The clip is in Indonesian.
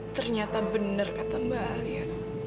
ternyata benar kata mbak alia